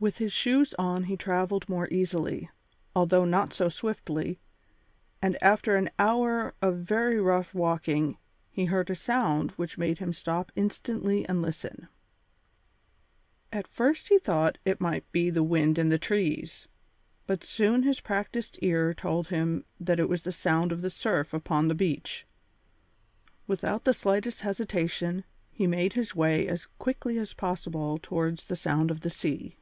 With his shoes on he travelled more easily, although not so swiftly, and after an hour of very rough walking he heard a sound which made him stop instantly and listen. At first he thought it might be the wind in the trees, but soon his practised ear told him that it was the sound of the surf upon the beach. Without the slightest hesitation, he made his way as quickly as possible towards the sound of the sea.